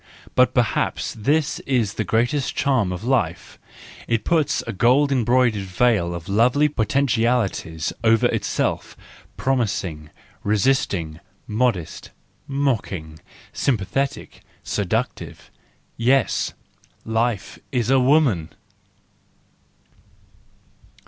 But perhaps this is the greatest charm of life: it puts a gold embroidered veil of lovely potentialities over itself, promising, resisting, modest, mocking, sympathetic, seductive. Yes, life is a woman!